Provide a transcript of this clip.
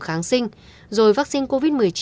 kháng sinh rồi vaccine covid một mươi chín